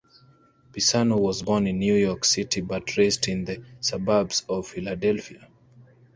Pisano was born in New York City but raised in the suburbs of Philadelphia.